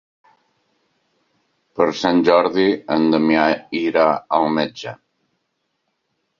Per Sant Jordi en Damià irà al metge.